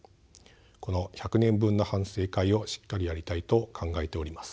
この１００年分の反省会をしっかりやりたいと考えております。